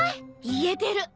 言えてる。